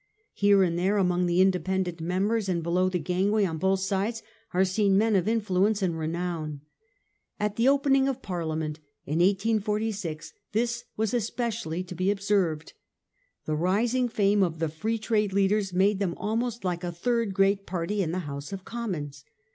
Here and there, among the independent members and below the gangway on both sides, are seen men of influence and renown. At the opening of Parliament in 1846 this was especially to be observed. The rising fame of the Free Trade leaders made them almost like a third great party in the House of Commons.